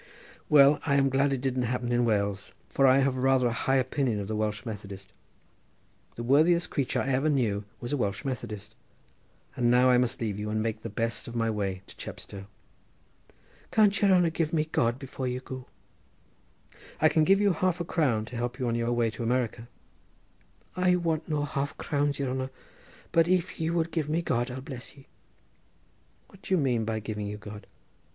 "Well, I am glad it didn't happen in Wales; I have rather a high opinion of the Welsh Methodists. The worthiest creature I ever knew was a Welsh Methodist. And now I must leave you and make the best of my way to Chepstow." "Can't yere hanner give me God before ye go?" "I can give you half a crown to help you on your way to America." "I want no half crowns, yere hanner; but if ye would give me God I'd bless ye." "What do you mean by giving you God?"